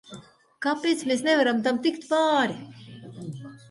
Kāpēc mēs nevaram tam tikt pāri?